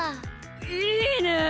いいね！